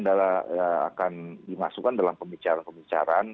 dimasukkan dalam pembicaraan pembicaraan